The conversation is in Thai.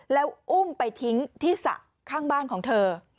แล้วอุ้มไปทิ้งที่สระข้างบ้านของเธอ